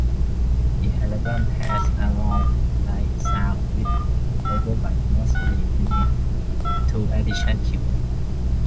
The album had a raw, live sound with overdubs mostly limited to additional keyboards.